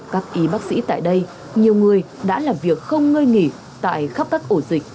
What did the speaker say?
các y bác sĩ tại đây nhiều người đã làm việc không ngơi nghỉ tại khắp các ổ dịch